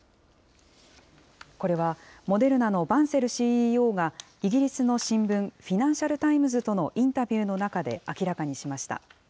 これはモデルナのバンセルＣＥＯが、イギリスの新聞、フィナンシャルタイムズとのインタビューの中で明らかにしました。